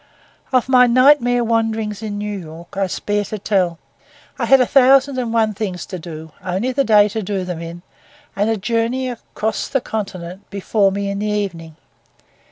Of my nightmare wanderings in New York I spare to tell. I had a thousand and one things to do; only the day to do them in, and a journey across the continent before me in the evening.